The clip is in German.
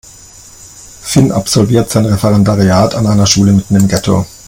Finn absolviert sein Referendariat an einer Schule mitten im Ghetto.